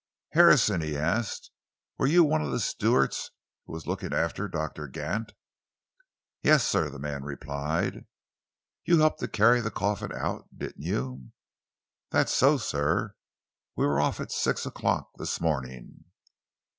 "Harrison," he asked, "were you one of the stewards who was looking after Doctor Gant?" "Yes, sir," the man replied. "You helped to carry the coffin out, didn't you?" "That's so, sir. We were off at six o'clock this morning."